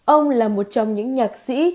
ông là một trong những nhạc sĩ